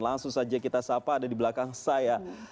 langsung saja kita sapa ada di belakang saya